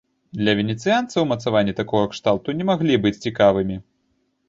Для венецыянца умацаванні такога кшталту не маглі быць цікавымі.